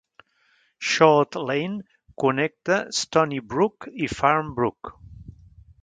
Short Lane connecta Stoneybrook i Farmbrook.